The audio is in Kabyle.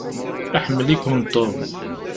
Iḥemmel-iken Tom.